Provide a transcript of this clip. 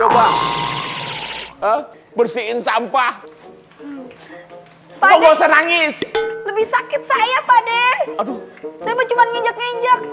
bersihin sampah pak nggak usah nangis lebih sakit saya pak deh aduh cuma nginjak nginjak